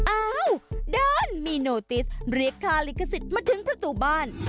อ้าวด้านมีโนติสเรียกค่าลิขสิทธิ์มาถึงประตูบ้าน